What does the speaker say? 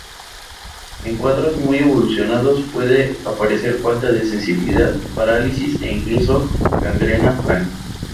En cuadros muy evolucionados puede aparecer falta de sensibilidad, parálisis e incluso gangrena franca.